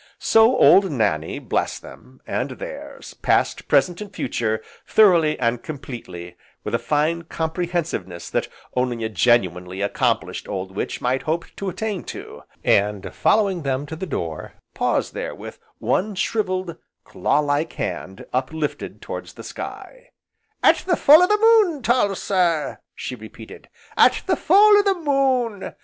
So, old Nannie blessed them, and theirs, past, present, and future, thoroughly and completely, with a fine comprehensiveness that only a genuinely accomplished old witch might hope to attain to, and, following them to the door, paused there with one shrivelled, claw like hand up lifted towards the sky: "At the full o' the moon, tall sir!" she repeated, "at the full o' the moon!